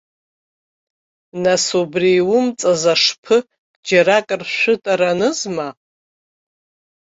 Нас убри иумҵаз ашԥы џьаракыр шәытара анызма?